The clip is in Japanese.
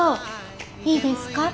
いいですか？